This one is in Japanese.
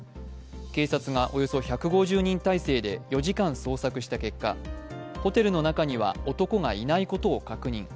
警察がおよそ１５０人態勢で４時間捜索した結果、ホテルの中には男がいないことを確認。